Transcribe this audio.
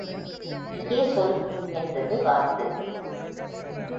நீயே சொல் என்றது வாத்து.